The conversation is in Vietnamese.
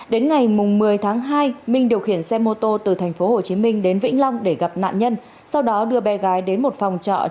đến ngày một mươi tháng hai minh điều khiển xe mô tô từ tp hcm đến vĩnh long để gặp nạn nhân sau đó đưa bé gái đến một phòng trọ